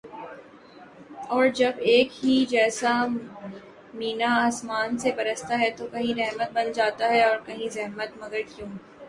اور جب ایک ہی جیسا مینہ آسماں سے برستا ہے تو کہیں رحمت بن جاتا ہے اور کہیں زحمت مگر کیوں